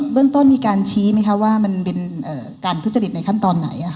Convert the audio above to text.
เรื่องต้นมีการชี้ไหมคะว่ามันเป็นการทุจริตในขั้นตอนไหน